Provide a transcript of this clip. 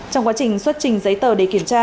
trong quá trình xuất trình giấy tờ để kiểm tra